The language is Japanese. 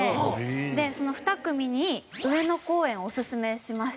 でその２組に上野公園をおすすめしました。